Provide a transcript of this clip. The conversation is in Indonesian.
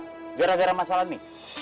gara gara masalah ini